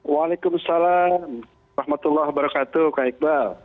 waalaikumsalam rahmatullah barakatuh kak iqbal